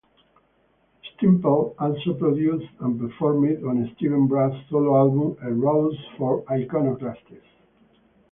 Stemple also produced and performed on Steven Brust's solo album "A Rose for Iconoclastes".